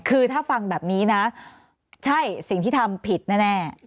คือถ้าฟังแบบนี้นะใช่สิ่งที่ทำผิดแน่